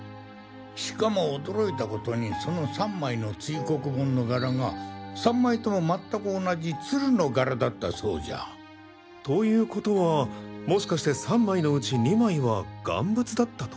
しかも驚いた事にその３枚の堆黒盆の柄が３枚とも全く同じ鶴の柄だったそうじゃ！という事はもしかして３枚の内２枚は贋物だったと？